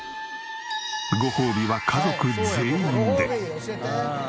ごほうびは家族全員で。